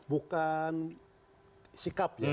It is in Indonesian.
bukan sikap ya